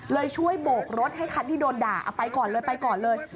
ช่วยโบกรถให้คันที่โดนด่าเอาไปก่อนเลยไปก่อนเลย